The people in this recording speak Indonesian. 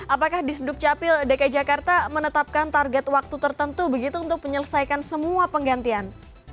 apakah di sdukcapil dki jakarta menetapkan target waktu tertentu begitu untuk menyelesaikan semua penggantian